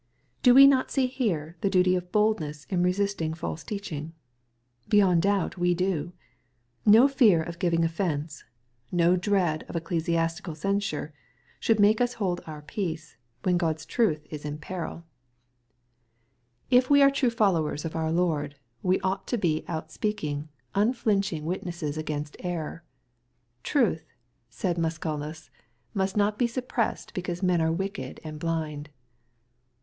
Do we not see here the duty of boldness in resisting false teaching ? Beyond doubt we do. No fear of giving offence, no dread of ecclesiastical censure, should make us hold our peace, when God's truth is in peiiL MATTHEW, CHAP. XT. 177 If we are true followers of our Lord, we ought to be out speaking, unflinching witnesses against error. " Truth," says Musculus, " must not be suppressed because men are wicked and blind.''